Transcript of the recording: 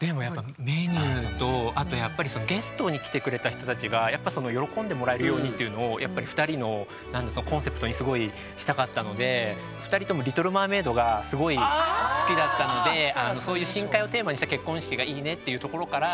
メニューとあとやっぱりゲストに来てくれた人たちが喜んでもらえるようにっていうのを２人のコンセプトにしたかったので２人とも「リトル・マーメイド」がすごい好きだったのでそういうっていうところから。